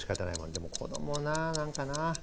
でも子どもな何かな。